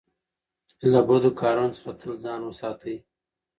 له بدو کارونو څخه تل ځان وساتئ.